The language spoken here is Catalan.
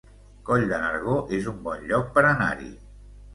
Coll de Nargó es un bon lloc per anar-hi